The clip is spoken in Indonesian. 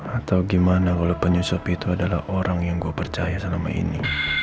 atau gimana kalau penyusup itu adalah orang yang gue percaya selama ini